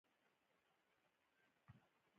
یکنواخته حالت یې لیدونکي.